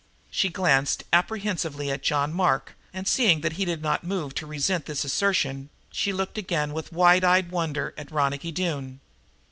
She glanced apprehensively at John Mark, and, seeing that he did not move to resent this assertion, she looked again with wide eyed wonder at Ronicky Doone.